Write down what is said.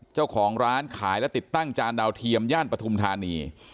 เจ้าของร้านขายและติดตั้งจานดาวเทียมย่านปฐุมธานี